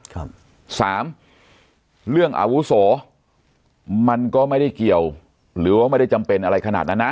ครับสามเรื่องอาวุโสมันก็ไม่ได้เกี่ยวหรือว่าไม่ได้จำเป็นอะไรขนาดนั้นนะ